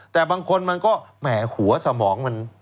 แต่บางคนมันก็แหมหัวสมองมัน